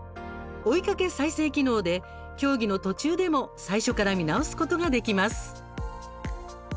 追いかけ再生機能で競技の途中でも最初から見直すことができます。